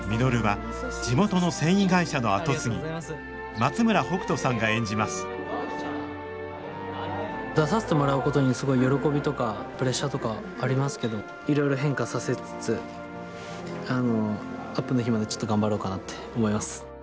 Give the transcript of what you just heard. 松村北斗さんが演じます出させてもらうことにすごい喜びとかプレッシャーとかありますけどいろいろ変化させつつあのアップの日までちょっと頑張ろうかなって思います。